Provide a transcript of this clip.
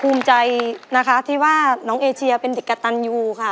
ภูมิใจนะคะที่ว่าน้องเอเชียเป็นเด็กกระตันยูค่ะ